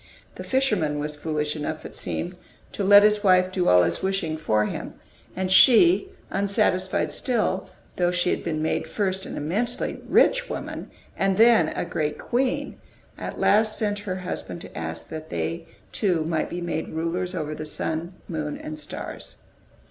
The fisherman was foolish enough, it seemed, to let his wife do all his wishing for him; and she, unsatisfied still, though she had been made first an immensely rich woman, and then a great queen, at last sent her husband to ask that they two might be made rulers over the sun, moon, and stars.